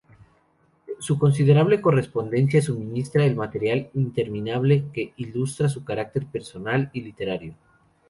Su considerable correspondencia suministra el material interminable que ilustra su carácter personal y literario.